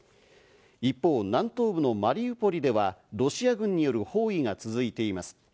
一方、南東部のマリウポリではロシア軍による包囲が続いています。